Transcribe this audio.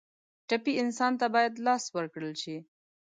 ټپي انسان ته باید لاس ورکړل شي.